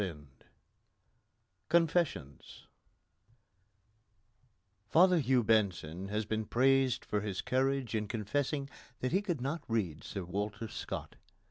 XIX CONFESSIONS Father Hugh Benson has been praised for his courage in confessing that he could not read Sir Walter Scott.